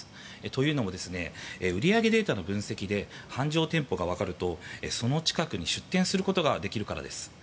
というのも売り上げデータの分析で繁盛店舗が分かると、その近くに出店することができるからです。